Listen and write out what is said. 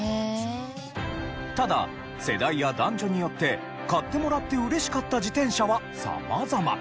ただ世代や男女によって買ってもらって嬉しかった自転車は様々。